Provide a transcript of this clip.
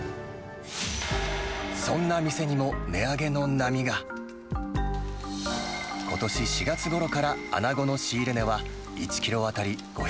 そんな店にも、値上げの波が。ことし４月ごろからアナゴの仕入れ値は、１キロ当たり５００円